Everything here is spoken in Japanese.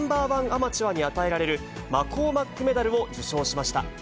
アマチュアに与えられる、マコーマックメダルを受賞しました。